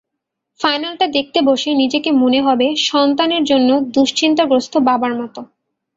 ফাইনালটা দেখতে বসে নিজেকে মনে হবে সন্তানের জন্য দুশ্চিন্তাগ্রস্ত বাবার মতো।